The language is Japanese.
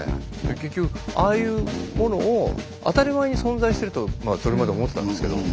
結局ああいうものを当たり前に存在してるとそれまで思ってたんですけど